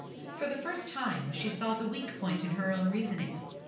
For the first time, she saw the weak point in her own reasoning.